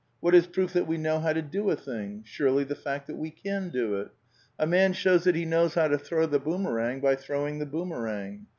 What is proof that we know how to do a thing? Surely the fact that we can do it. A man shows that he knows how to throw the boomerang by throwing the boomerang.